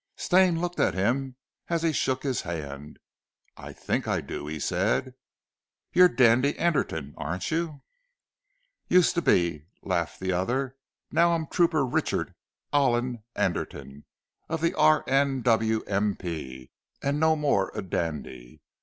Stane looked at him as he shook his hand. "I think I do," he said. "Your Dandy Anderton, aren't you?" "Used to be," laughed the other. "Now I'm Trooper Richard Alland Anderton of the R.N.W.M.P., and no more a dandy.